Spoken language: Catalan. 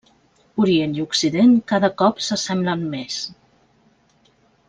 Orient i Occident cada cop s'assemblen més.